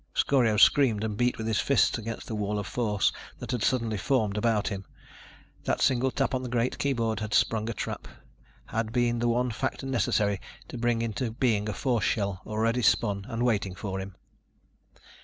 Scorio screamed and beat with his fists against the wall of force that had suddenly formed about him. That single tap on the great keyboard had sprung a trap, had been the one factor necessary to bring into being a force shell already spun and waiting for him.